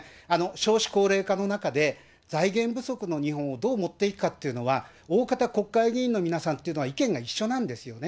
少子高齢化の中で、財源不足の日本をどう持っていくかというのは、大方、国会議員の皆さんというのは、意見が一緒なんですよね。